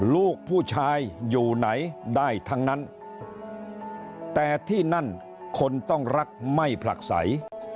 ลูกผู้ชายอยู่ไหนได้ทั้งนั้นแต่ที่นั่นคนต้องรักไม่ผลักใส